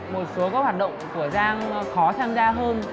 một số các hoạt động của giang khó tham gia hơn